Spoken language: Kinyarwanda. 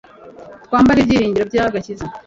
twambare ibyiringiro by'agakiza